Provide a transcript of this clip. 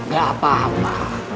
gak ada apa apa